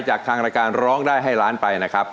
จากทางรายการร้องได้ให้ล้านไปนะครับ